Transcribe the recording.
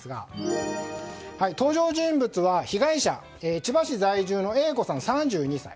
登場人物は被害者、千葉市在住のＡ子さん、３２歳。